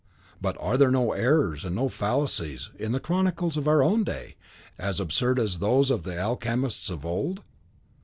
But are there no errors and no fallacies, in the chronicles of our own day, as absurd as those of the alchemists of old?